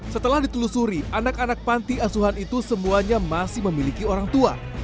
setelah ditelusuri anak anak panti asuhan itu semuanya masih memiliki orang tua